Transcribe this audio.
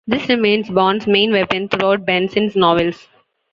This remains Bond's main weapon throughout Benson's novels.